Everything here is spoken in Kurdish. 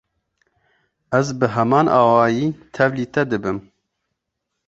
Ez bi heman awayî tevlî te dibim.